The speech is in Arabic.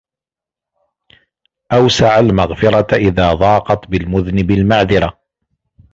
أَوْسَعَ الْمَغْفِرَةَ إذَا ضَاقَتْ بِالْمُذْنِبِ الْمَعْذِرَةُ